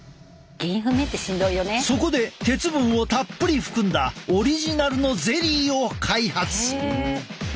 そこで鉄分をたっぷり含んだオリジナルのゼリーを開発。